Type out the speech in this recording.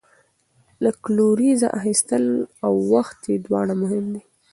د کلوریز اخیستل او وخت یې دواړه مهم دي.